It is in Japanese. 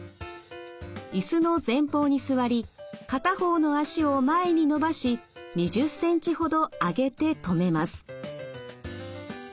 椅子の前方に座り片方の脚を前に伸ばし２０センチほど上げて止めます。